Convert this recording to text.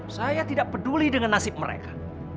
saya tidak peduli dengan nasib mereka